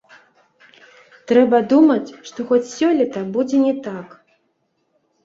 Трэба думаць, што хоць сёлета будзе не так.